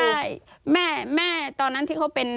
ใช่แม่ตอนนั้นที่เขาเป็น